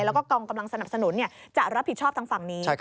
แล้วก็กองกำลังสนับสนุนจะรับผิดชอบทางฝั่งนี้